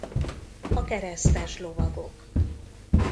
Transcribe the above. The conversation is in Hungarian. A keresztes lovagok.